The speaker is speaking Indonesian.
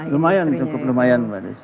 lumayan cukup lumayan mbak desi